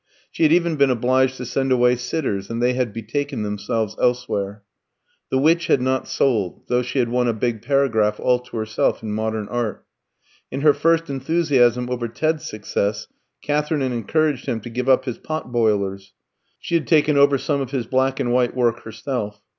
She had even been obliged to send away sitters, and they had betaken themselves elsewhere. The "Witch" had not sold, though she had won a big paragraph all to herself in "Modern Art." In her first enthusiasm over Ted's success Katherine had encouraged him to give up his pot boilers. She had taken over some of his black and white work herself.